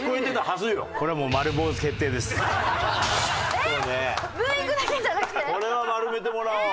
これは丸めてもらおう。